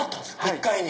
１階に。